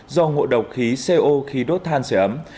do ngộ độc khí co khi đốt than sửa ấm